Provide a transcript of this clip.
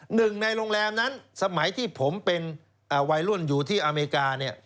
หนึ่งในโรงแรมนั้นสมัยที่ผมเป็นวัยรุ่นอยู่ที่อเมริกาเนี่ย